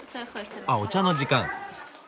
あお茶の時間。